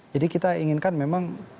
jadi kita inginkan memang